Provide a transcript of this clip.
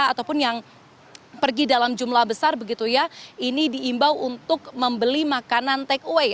ataupun yang pergi dalam jumlah besar begitu ya ini diimbau untuk membeli makanan take away